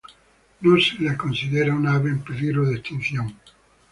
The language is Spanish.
No se la considera un ave en peligro de extinción.